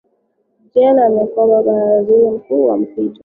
jean kambanda alikuwa waziri mkuu wa mpito